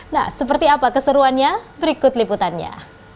nah seperti apa keseruannya berikut liputannya